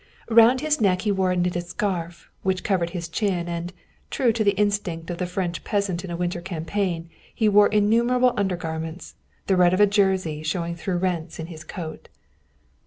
Round his neck he wore a knitted scarf, which covered his chin, and, true to the instinct of the French peasant in a winter campaign, he wore innumerable undergarments, the red of a jersey showing through rents in his coat.